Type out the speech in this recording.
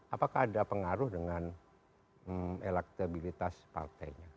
apakah ada pengaruh dengan elektabilitas partainya